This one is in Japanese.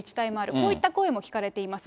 こういった声も聞かれています。